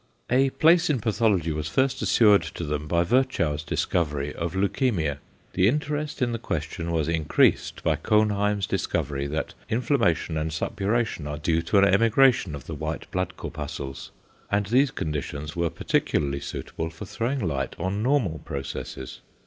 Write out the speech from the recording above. A place in pathology was first assured to them by Virchow's discovery of leukæmia. The interest in the question was increased by Cohnheim's discovery that inflammation and suppuration are due to an emigration of the white blood corpuscles, and these conditions were particularly suitable for throwing light on normal processes.